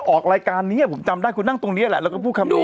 ออกรายการนี้ผมจำได้คุณนั่งตรงนี้แหละแล้วก็พูดคำนี้